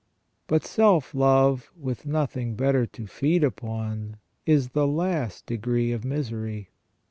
But self love with nothing better to feed upon is the last degree of misery.